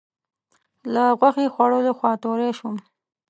له غوښې خوړلو خوا توری شوم.